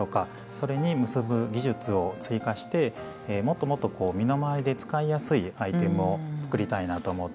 それに結ぶ技術を追加してもっともっと身の回りで使いやすいアイテムを作りたいなと思って。